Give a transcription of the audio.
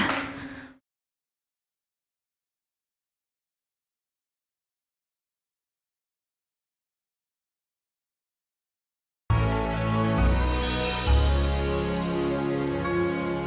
mungkin dia masih baru pujian rekaman